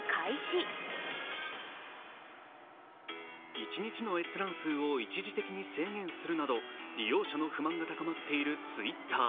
一日の閲覧数を一時的に制限するなど利用者の不満が高まっているＴｗｉｔｔｅｒ。